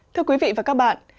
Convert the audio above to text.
thưa quý vị và các bạn